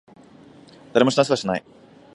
誰も死なせはしない。